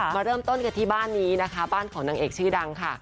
มาเริ่มต้นกันที่บ้านนี้นะคะบ้านของนางเอกชื่อดังค่ะ